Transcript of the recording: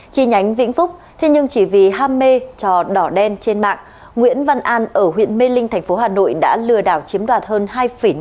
chi nhánh vĩnh phúc thế nhưng chỉ vì ham mê trò đỏ đen trên mạng nguyễn văn an ở huyện mê linh tp hà nội đã lừa đảo chiếm đoạt hơn hai phỉ